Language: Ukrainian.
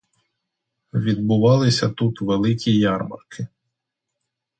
Відбувалися тут великі ярмарки.